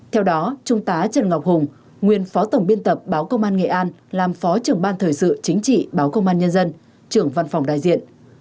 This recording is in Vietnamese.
theo đó trung tá trần ngọc hùng nguyên phó tổng biên tập báo công an nghệ an làm phó trưởng ban thời sự chính trị báo công an nhân dân trưởng văn phòng đại diện